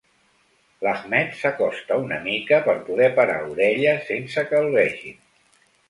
L'Ahmed s'acosta una mica per poder parar orella sense que el vegin.